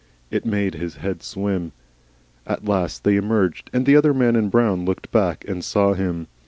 It made his head swim. At last they emerged, and the other man in brown looked back and saw him.